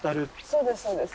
そうですそうです。